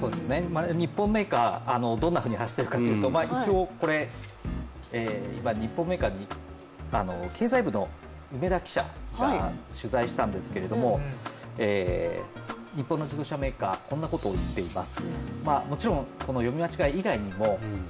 日本メーカー、どんなふうにしているかというと今、日本メーカーの経済部の梅田記者が取材したんですけれども日本の自動車メーカー、こんなことを言っています。